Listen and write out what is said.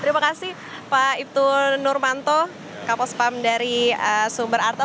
terima kasih pak ibtul nurmanto kapos pam dari sumber arta